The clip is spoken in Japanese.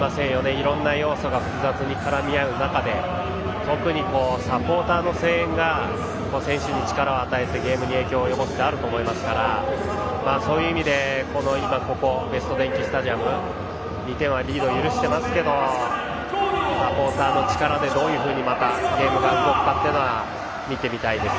いろんな要素が複雑に絡み合う中で特にサポーターの声援が選手に力を与えてゲームに影響を及ぼす可能性あると思いますからそういう意味でここ、ベスト電器スタジアム２点リードは許していますがサポーターの力でどういうふうにまたゲームが動くかは見てみたいです。